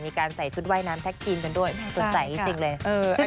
มีการใส่ชุดว่ายน้ำแท็กทีมกันด้วยสดใสจริงเลย